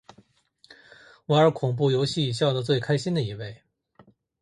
玩恐怖游戏笑得最开心的一位